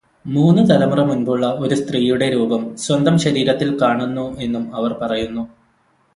മൂന്നു തലമുറ മുൻപുള്ള ഒരു സ്ത്രീയുടെ രൂപം സ്വന്തം ശരീരത്തിൽ കാണുന്നു എന്നും അവർ പറയുന്നു.